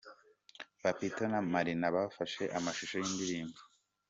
Papito na Marina bafashe amashusho y'iyi ndirimbo.